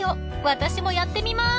［私もやってみまーす］